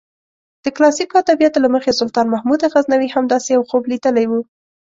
د کلاسیکو ادبیاتو له مخې سلطان محمود غزنوي هم داسې یو خوب لیدلی و.